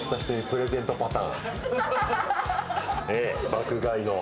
『爆買い』の。